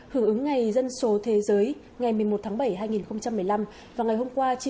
hưởng ứng ngày dân số thế giới ngày một mươi một tháng bảy hai nghìn một mươi năm và ngày hôm qua